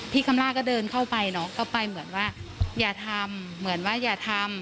คำล่าก็เดินเข้าไปเนอะเข้าไปเหมือนว่าอย่าทำเหมือนว่าอย่าทำ